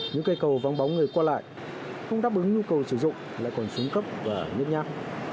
những cây cầu vắng bóng người qua lại không đáp ứng nhu cầu sử dụng lại còn xuống cấp và nhứt nhác